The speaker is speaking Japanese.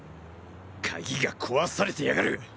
鍵が壊されてやがる。